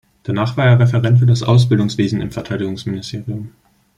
Danach war er Referent für das Ausbildungswesen im Verteidigungsministerium.